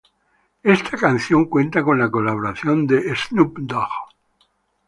Esta canción cuenta con la colaboración de Snoop Dogg.